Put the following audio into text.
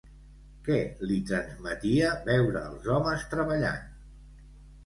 Què li transmetia veure els homes treballant?